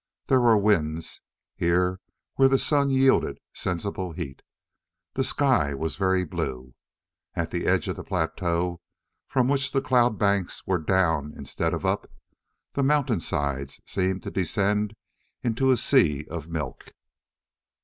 There were winds, here where the sun yielded sensible heat. The sky was very blue. At the edge of the plateau from which the cloud banks were down instead of up the mountainsides seemed to descend into a sea of milk.